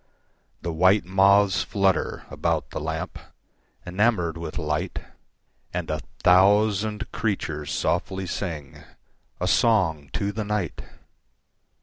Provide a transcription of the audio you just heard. The white moths flutter about the lamp, Enamoured with light; And a thousand creatures softly singA song to the night!